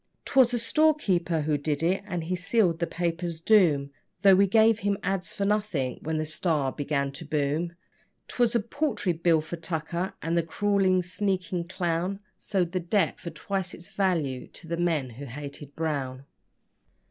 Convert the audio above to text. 'Twas a storekeeper who did it, and he sealed the paper's doom, Though we gave him ads. for nothing when the STAR began to boom: 'Twas a paltry bill for tucker, and the crawling, sneaking clown Sold the debt for twice its value to the men who hated Brown.